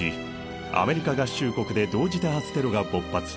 アメリカ合衆国で同時多発テロが勃発。